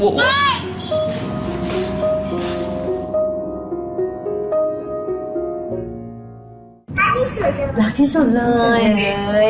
รักที่สุดเลย